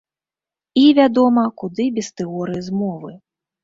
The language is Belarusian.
І, вядома, куды без тэорый змовы.